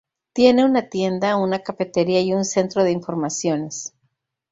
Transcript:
Tiene una tienda, una cafetería y un centro de informaciones.